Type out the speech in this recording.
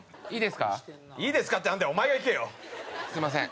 すみません。